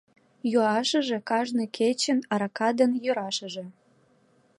Йӱашыже, кажне кечын арака дене йӧрашыже.